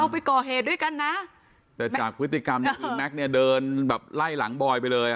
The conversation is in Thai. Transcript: ไปก่อเหตุด้วยกันนะแต่จากพฤติกรรมเนี่ยคือแม็กซ์เนี่ยเดินแบบไล่หลังบอยไปเลย